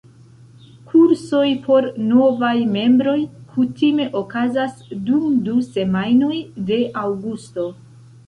Kursoj por novaj membroj kutime okazas dum du semajnoj de aŭgusto.